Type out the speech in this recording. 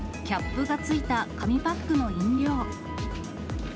キャップがついた紙パックの飲料。